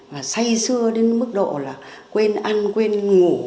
mà say xưa đến mức độ là quên ăn quên ngủ